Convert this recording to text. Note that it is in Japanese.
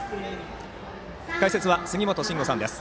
解説は杉本真吾さんです。